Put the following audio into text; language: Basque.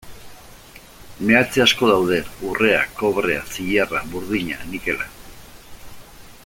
Meatze asko daude: urrea, kobrea, zilarra, burdina, nikela.